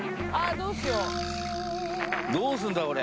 どうすんだこれ。